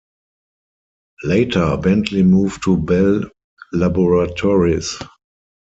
Later, Bentley moved to Bell Laboratories.